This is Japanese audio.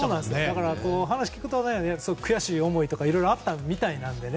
だから話を聞くと悔しい思いがいろいろあったみたいなのでね。